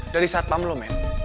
dari saat pam lo men